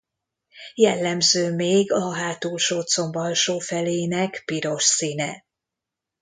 Jellemző még a hátulsó comb alsó felének piros színe.